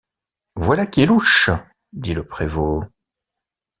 Voilà qui est louche! dit le prévôt.